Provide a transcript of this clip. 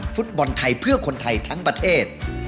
ฟุตบอลไทยเพื่อคนไทยทั้งประเทศ